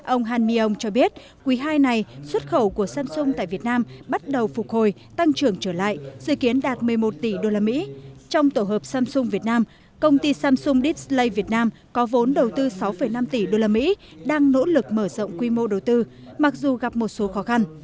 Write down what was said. ông hanieong cho biết quý hai này xuất khẩu của samsung tại việt nam bắt đầu phục hồi tăng trưởng trở lại dự kiến đạt một mươi một tỷ usd trong tổ hợp samsung việt nam công ty samsung dislay việt nam có vốn đầu tư sáu năm tỷ usd đang nỗ lực mở rộng quy mô đầu tư mặc dù gặp một số khó khăn